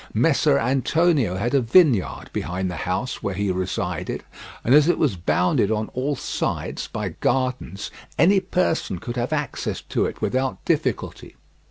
Messer Antonio had a vineyard behind the house where he resided, and as it was bounded on all sides by gardens, any person could have access to it without difficulty.